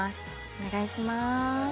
お願いします。